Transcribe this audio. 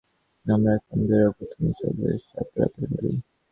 আমরা এখন বেরোব, তুমি চললে সাতরাদের বাড়ি।